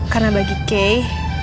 karena bagi kek